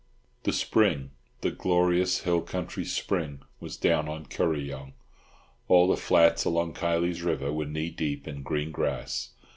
The spring—the glorious hill country spring—was down on Kuryong. All the flats along Kiley's River were knee deep in green grass.